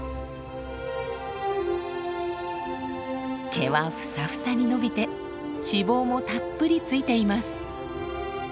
毛はフサフサに伸びて脂肪もたっぷりついています。